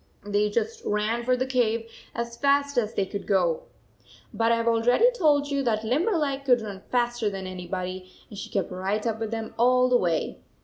They just ran for the cave as fast as they could go. But I have already told you that Limberleg could run faster than anybody and she kept right up with them all the way.